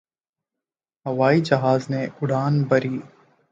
ہوائی جہاز نے اڑان بھری